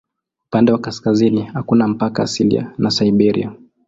Upande wa kaskazini hakuna mpaka asilia na Siberia.